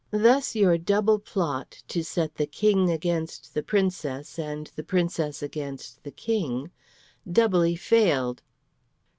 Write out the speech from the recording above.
"Thus your double plot to set the King against the Princess, and the Princess against the King doubly failed."